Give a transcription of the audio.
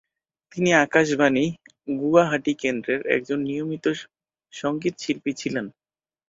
তিনি আকাশবাণী গুয়াহাটি কেন্দ্রের একজন নিয়মিত সংগীত শিল্পী ছিলেন।